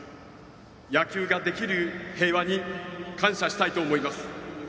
野球ができる平和に感謝したいと思います。